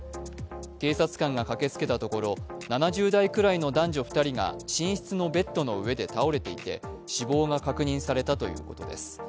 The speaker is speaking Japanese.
警察官が駆けつけたところ７０代くらいの男女２人が寝室のベッドの上で倒れていて死亡が確認されたということです。